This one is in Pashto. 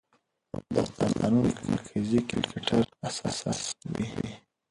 او په داستانونو کې مرکزي کرکټر اساس وي